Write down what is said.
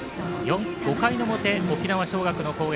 ５回の表沖縄尚学の攻撃。